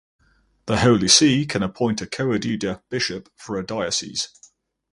The Holy See can appoint a coadjutor bishop for a diocese.